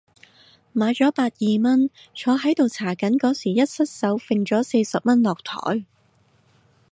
買咗百二蚊，坐喺度搽緊嗰時一失手揈咗四十蚊落枱